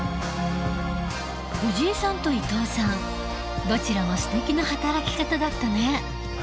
藤井さんと伊藤さんどちらもすてきな働き方だったね。